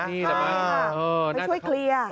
ใช่มาช่วยเคลียร์